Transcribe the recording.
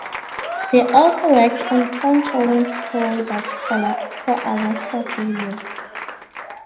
They also worked on some children's products for Alaska Video.